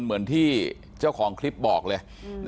เหมือนที่เจ้าของคลิปบอกเลย